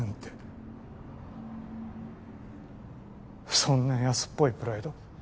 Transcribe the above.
そんな安っぽいプライド